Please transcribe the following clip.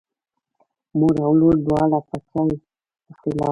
مور او لور دواړه په چای پسې لاړې.